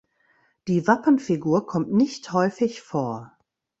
Die Wappenfigur kommt nicht häufig vor.